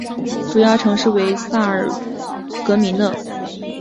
主要城镇为萨尔格米讷。